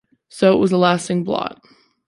So it was a lasting blot.